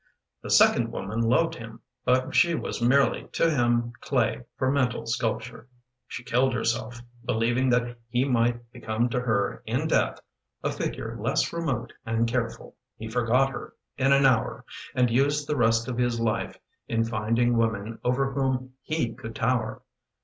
The second woman loved him, But she was merely to him Clay for mental sculpture. She killed herself, believing That he might become to her in death A figure less remote and careful. He forgot her in an hour And used the rest of his life In finding women over whom he could tower.